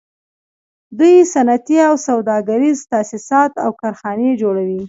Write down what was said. دوی صنعتي او سوداګریز تاسیسات او کارخانې جوړوي